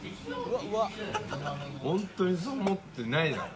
ホントにそう思ってないだろ。